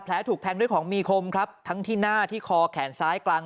ถูกแทงด้วยของมีคมครับทั้งที่หน้าที่คอแขนซ้ายกลาง